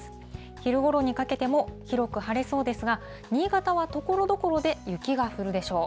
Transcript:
昼ごろにかけても広く晴れそうですが、新潟はところどころで雪が降るでしょう。